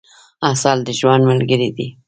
عسل د ژوند ملګری کئ.